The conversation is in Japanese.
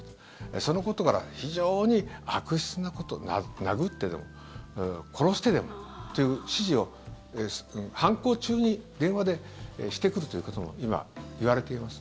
そのことから非常に悪質なこと殴ってでも、殺してでもという指示を犯行中に電話でしてくるということも今、いわれています。